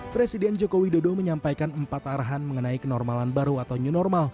presiden joko widodo menyampaikan empat arahan mengenai kenormalan baru atau new normal